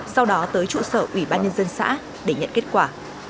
sau đó tới trụ sở ủy ban nhân dân xã để nhận kết quả